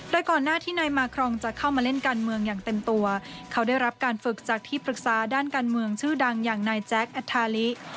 โดยก่อนหน้าที่นายมาครองจะเข้ามาเล่นการเมืองอย่างเต็มตัวเขาได้รับการฝึกจากที่ปรึกษาด้านการเมืองชื่อดังอย่างนายแจ๊คแอทาลิ